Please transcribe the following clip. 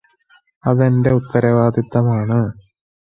അതെന്റ ഉത്തരവാദിത്തമാണ്.